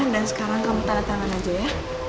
dan sekarang kamu tanda tangan aja ya